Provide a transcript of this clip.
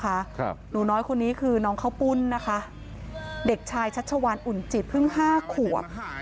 ครับหนูน้อยคนนี้คือน้องข้าวปุ้นนะคะเด็กชายชัชวานอุ่นจิตเพิ่งห้าขวบ